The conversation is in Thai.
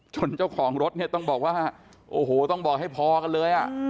เจ้าของรถเนี่ยต้องบอกว่าโอ้โหต้องบอกให้พอกันเลย